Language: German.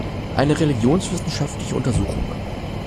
Eine religionswissenschaftliche Untersuchung.